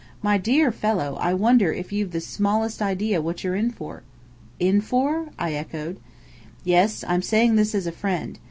My dear fellow, I wonder if you've the smallest idea what you're in for?" "In for?" I echoed. "Yes. I'm saying this as a friend.